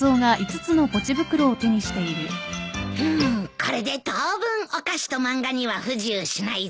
これで当分お菓子と漫画には不自由しないぞ。